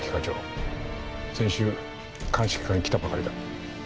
先週鑑識課に来たばかりだ。